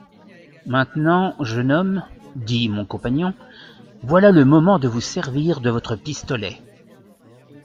Maintenant, jeune homme, dit mon compagnon, voilà le moment de vous servir de votre pistolet.